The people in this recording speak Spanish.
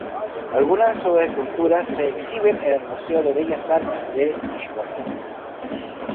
Algunas de sus esculturas se exhiben en el Museo de Bellas Artes de Dijon.